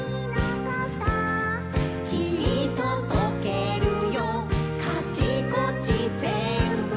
「きっと溶けるよカチコチぜんぶ」